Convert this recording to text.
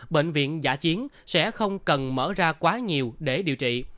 bệnh viện giả chiến sẽ không cần mở ra quá nhiều để điều trị